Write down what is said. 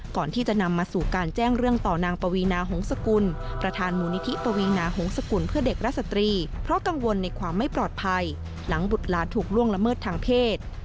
ก่อนที่จะนำมาสู่การแจ้งเรื่องต่อนางปวีนาหงษกุลประธานมูลนิธิปวีนาหงษกุลเพื่อเด็กและสตรีเพราะกังวลในความไม่ปลอดภัยหลังบุตรหลานถูกล่วงละเมิดทางเพศ